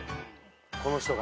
この人が？